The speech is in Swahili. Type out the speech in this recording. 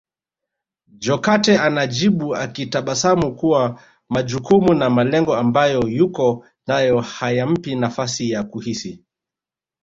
Jokate anajibu akitabasamu kuwa majukumu na malengo ambayo yuko nayo hayampi nafasi ya kuhisi